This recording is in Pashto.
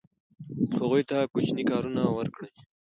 هغوی ته کوچني کارونه ورکړئ.